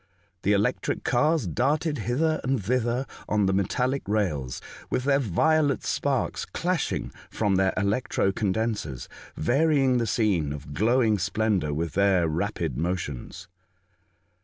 The electric cars darted hither and thither on the metallic rails, with their violet sparks flashing from their electro condensers, varying the scene of glowing splendour with their rapid motions.